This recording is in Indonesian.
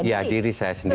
iya diri saya sendiri